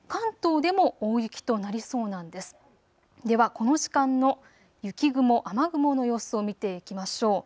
ではこの時間の雪雲、雨雲の様子を見ていきましょう。